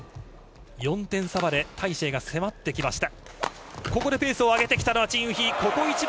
４点差までタイ・シエイが迫ってきました。